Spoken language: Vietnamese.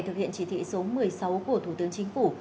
thực hiện chỉ thị số một mươi sáu của thủ tướng chính phủ